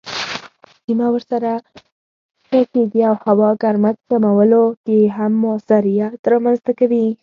سیمه ورسره شنه کیږي او هوا ګرمښت کمولو کې هم موثریت رامنځ کوي.